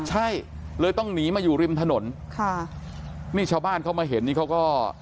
ใช่เลยต้องหนีมาอยู่ริมถนนค่ะนี่ชาวบ้านเขามาเห็นนี่เขาก็